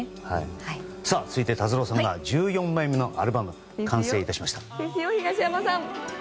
続いて達郎さんが１４枚目のアルバムが完成致しました。